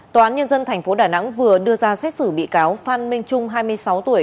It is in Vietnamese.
tòa án nhân dân tp đà nẵng vừa đưa ra xét xử bị cáo phan minh trung hai mươi sáu tuổi